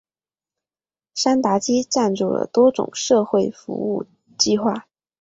山达基赞助了多种社会服务计画。